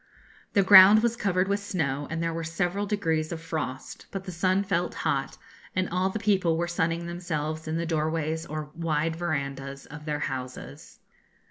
The ground was covered with snow, and there were several degrees of frost, but the sun felt hot, and all the people were sunning themselves in the doorways or wide verandahs of their houses.